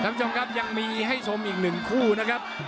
ท่านผู้ชมครับยังมีให้ชมอีกหนึ่งคู่นะครับ